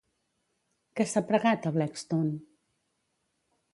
Què s'ha pregat a Blackstone?